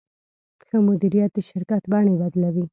ښه مدیریت د شرکت بڼې بدلوي.